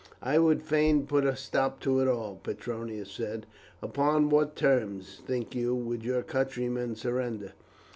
"I would fain put a stop to it all," Petronius said. "Upon what terms, think you, would your countrymen surrender?"